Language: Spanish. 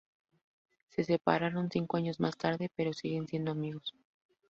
Se separaron cinco años más tarde pero siguen siendo amigos.